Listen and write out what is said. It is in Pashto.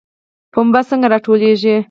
پنبه څنګه راټولیږي؟